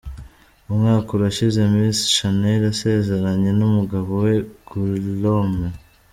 Umwaka urashize Miss Shanel asezeranye n’umugabo we Guillaume.